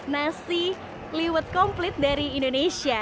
nasi liwet komplit dari indonesia